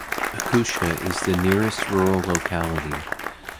Akusha is the nearest rural locality.